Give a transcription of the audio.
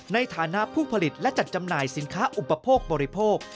ในฐานะผู้ผลิตและจัดจำหน่ายสินค้าอุปโภคบริโภค